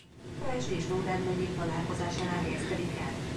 Heves és Nógrád megyék találkozásánál helyezkedik el.